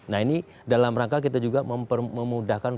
nah ini dalam rangka kita juga memudahkan